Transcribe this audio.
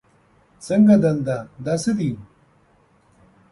څنګه دنده، دا څه دي؟